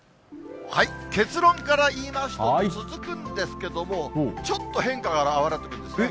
結論から言いますと、続くんですけども、ちょっと変化があらわれてくるんですね。